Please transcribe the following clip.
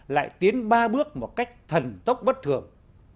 lại tiến ba bước một cách thần tốc bất thường